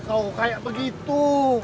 kau kayak begitu